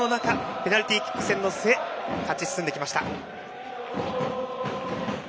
ペナルティーキック戦の末勝ち進んできました。